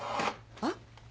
あっ！